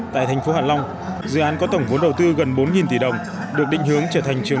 tại thành phố hạ long dự án có tổng vốn đầu tư gần bốn tỷ đồng được định hướng trở thành trường